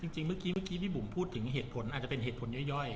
จริงเมื่อกี้เมื่อกี้พี่บุ๋มพูดถึงเหตุผลอาจจะเป็นเหตุผลย่อย